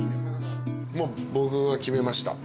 もう僕は決めました。